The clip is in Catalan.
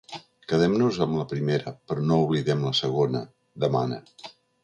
Quedem-nos amb la primera, però no oblidem la segona, demana.